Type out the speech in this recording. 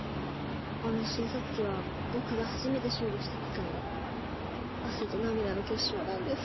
あの診察機は僕が初めて修理した機械で汗と涙の結晶なんです。